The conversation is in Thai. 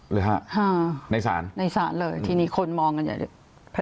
หรือฮะในศาลในศาลเลยทีนี้คนมองกันอย่างเงี้ย